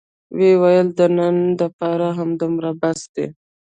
ويې ويل د نن دپاره همدومره بس دى.